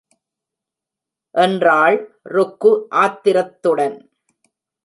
என்றாள் ருக்கு ஆத்திரத்துடன்.